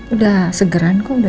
udah segeran kok udah